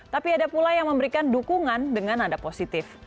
tapi ada pula yang memberikan dukungan dengan nada positif